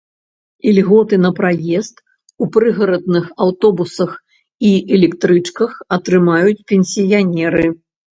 Ільготы на праезд у прыгарадных аўтобусах і электрычках атрымаюць пенсіянеры.